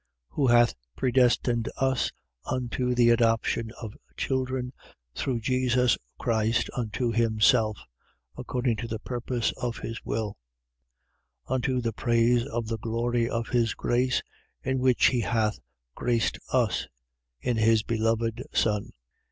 1:5. Who hath predestinated us unto the adoption of children through Jesus Christ unto himself: according to the purpose of his will: 1:6. Unto the praise of the glory of his grace, in which he hath graced us, in his beloved son.